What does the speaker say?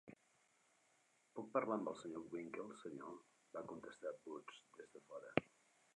'Puc parlar amb el Sr. Winkle, senyor?', va contestar Boots des de fora.